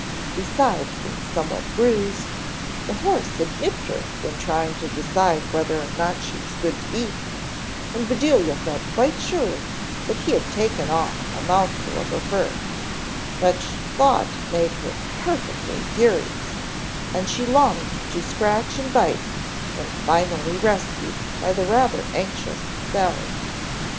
Besides being somewhat bruised, the horse had nipped her when trying to decide whether or not she was good to eat, and Bedelia felt quite sure that he had taken off a mouthful of her fur, which thought made her perfectly furious, and she longed to scratch and bite when finally rescued by the rather anxious Sally.